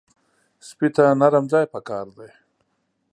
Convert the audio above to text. سپي ته نرم ځای پکار دی.